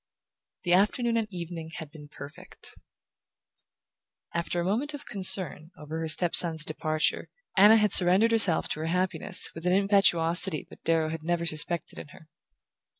The afternoon and evening had been perfect. After a moment of concern over her step son's departure, Anna had surrendered herself to her happiness with an impetuosity that Darrow had never suspected in her.